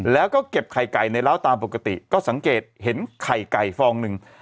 แล้วก็เก็บไข่ไก่ในร้าวตามปกติก็สังเกตเห็นไข่ไก่ฟองหนึ่ง